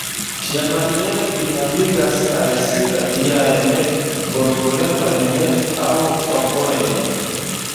Tiamaniere ili havigas al si la diajn bonvolemojn aŭ favorojn.